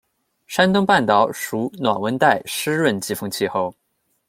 山东半岛属暖温带湿润季风气候。